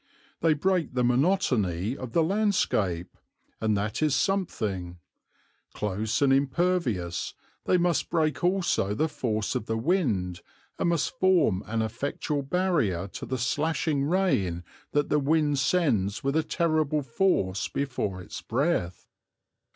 They break the monotony of the landscape, and that is something; close and impervious, they must break also the force of the wind and must form an effectual barrier to the slashing rain that the wind sends with terrible force before its breath.